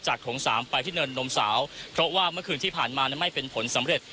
โถงสามไปที่เนินนมสาวเพราะว่าเมื่อคืนที่ผ่านมานั้นไม่เป็นผลสำเร็จ